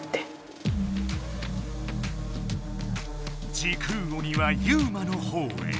時空鬼はユウマのほうへ。